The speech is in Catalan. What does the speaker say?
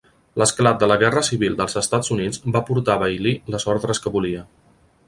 L'esclat de la Guerra Civil dels Estats Units va portar a Bailey les ordres que volia.